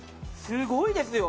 すごいですよ。